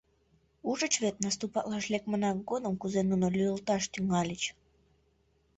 — Ужыч вет, наступатлаш лекмына годым кузе нуно лӱйылташ тӱҥальыч...